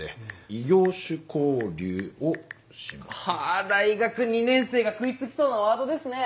「異業種交流を」はあ大学２年生が食い付きそうなワードですね。